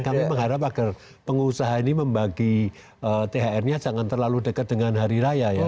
kami mengharap agar pengusaha ini membagi thr nya jangan terlalu dekat dengan hari raya ya